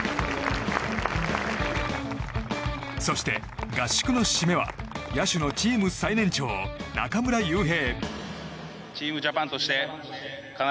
そして合宿の締めは野手のチーム最年長、中村悠平。